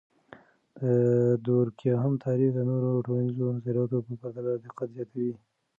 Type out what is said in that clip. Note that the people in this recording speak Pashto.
د دورکهايم تعریف د نورو ټولنیزو نظریاتو په پرتله دقت زیاتوي.